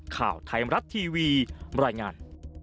ข่าวไทม์รับทีวีรายงาน